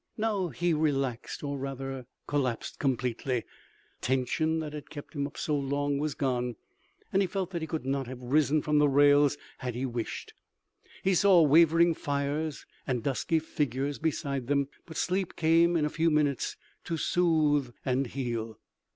Now he relaxed or rather collapsed completely. The tension that had kept him up so long was gone, and he felt that he could not have risen from the rails had he wished. He saw wavering fires and dusky figures beside them, but sleep came in a few minutes to soothe and heal.